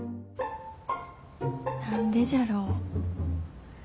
何でじゃろう。